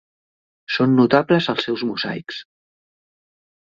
Són notables els seus mosaics.